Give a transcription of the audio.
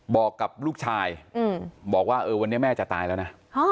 บอกกับลูกชายบอกว่าเออวันนี้แม่จะตายแล้วนะ